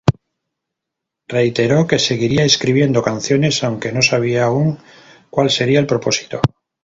Reiteró que seguiría escribiendo canciones, aunque no sabía aún cuál sería el propósito.